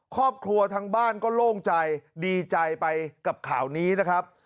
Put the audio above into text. ครอบครัวทั้งบ้านก็โล่งใจดีใจไปกับข่าวนี้นะครับ